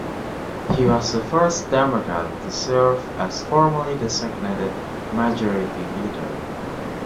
He was the first Democrat to serve as formally designated Majority Leader.